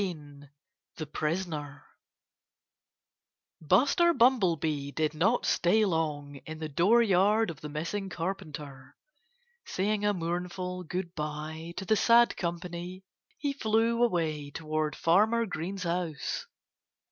XV THE PRISONER Buster Bumblebee did not stay long in the dooryard of the missing Carpenter. Saying a mournful good by to the sad company, he flew away toward Farmer Green's house.